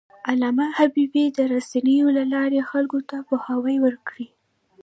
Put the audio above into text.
علامه حبيبي د رسنیو له لارې خلکو ته پوهاوی ورکړی.